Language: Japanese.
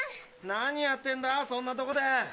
何やってんだそんなとこで。